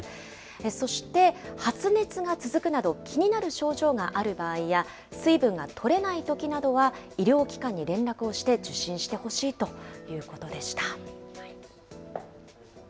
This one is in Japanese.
そして、発熱が続くなど気になる症状がある場合や、水分がとれないときなどは医療機関に連絡をして、受診してほしいということでした。